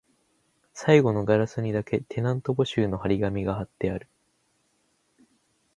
最後のガラスにだけ、テナント募集の張り紙が張ってある